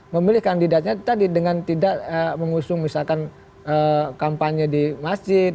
memilih kandidatnya tadi dengan tidak mengusung misalkan kampanye di masjid